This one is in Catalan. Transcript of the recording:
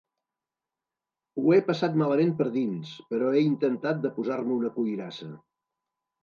Ho he passat malament per dins, però he intentat de posar-me una cuirassa.